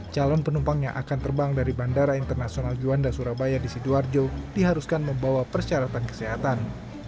calon penumpang yang akan terbang dari bandara internasional juanda surabaya di sidoarjo diharuskan membawa persyaratan kesehatan